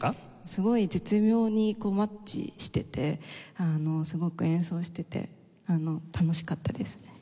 すごい絶妙にマッチしててすごく演奏してて楽しかったですね。